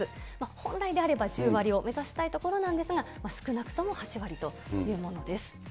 本来であれば、１０割を目指したいところなんですが、少なくとも８割というものです。